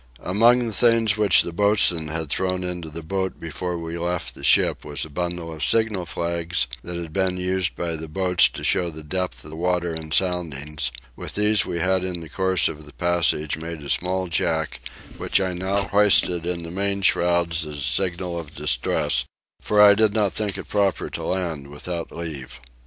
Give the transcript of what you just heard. Among the things which the boatswain had thrown into the boat before we left the ship was a bundle of signal flags that had been used by the boats to show the depth of water in sounding; with these we had in the course of the passage made a small jack which I now hoisted in the main shrouds as a signal of distress, for I did not think proper to land without leave.